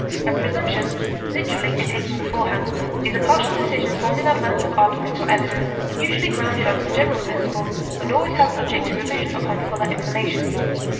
A presumption (literally, a taking beforehand) is a partial decision formed in advance of argument or evidence, usually grounded on some general principle, and always held subject to revision upon fuller information.